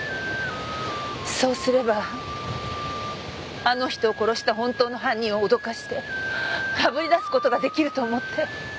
そうすればあの人を殺した本当の犯人を脅かして炙り出す事が出来ると思って。